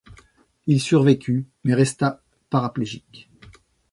Il survécut mais resta paraplégique.